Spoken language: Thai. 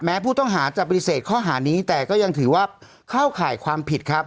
ผู้ต้องหาจะปฏิเสธข้อหานี้แต่ก็ยังถือว่าเข้าข่ายความผิดครับ